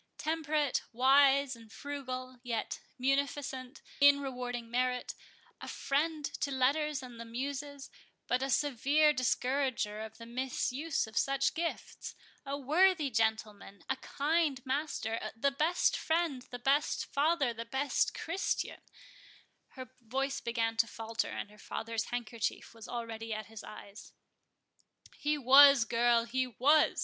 Temperate, wise, and frugal, yet munificent in rewarding merit—a friend to letters and the muses, but a severe discourager of the misuse of such gifts—a worthy gentleman—a kind master—the best friend, the best father, the best Christian"—Her voice began to falter, and her father's handkerchief was already at his eyes. "He was, girl, he was!"